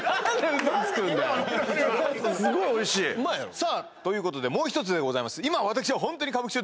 さあということでもう一つでございます